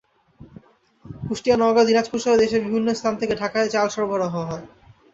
কুষ্টিয়া, নওগাঁ, দিনাজপুরসহ দেশের বিভিন্ন স্থান থেকে ঢাকায় চাল সরবরাহ হয়।